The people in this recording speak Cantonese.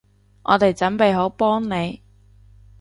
我哋準備好幫你